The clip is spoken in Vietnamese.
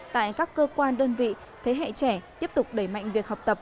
tại các cơ quan đơn vị thế hệ trẻ tiếp tục đẩy mạnh việc học tập